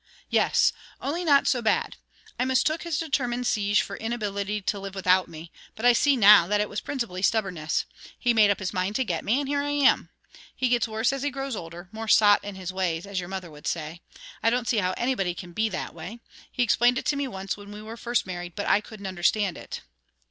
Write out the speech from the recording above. "Yes, only not so bad. I mistook his determined siege for inability to live without me, but I see now that it was principally stubbornness. He made up his mind to get me, and here I am. He gets worse as he grows older more 'sot' in his ways, as your mother would say. I don't see how anybody can be that way. He explained it to me once, when we were first married, but I couldn't understand it."